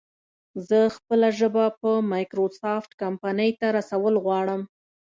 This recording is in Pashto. زه خپله ژبه په مايکروسافټ کمپنۍ ته رسول غواړم